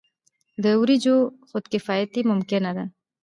د وریجو خودکفايي ممکنه ده.